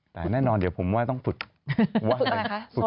แต่แน่นอนเดี๋ยวผมว่าต้องฝึกว่าอะไรคะ